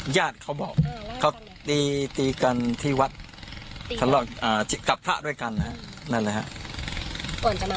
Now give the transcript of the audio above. หยารเขาบอกตีกันที่วัดกับพระด้วยกันนะ